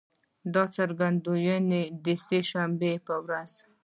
دا څرګندونې د سه شنبې په ورځ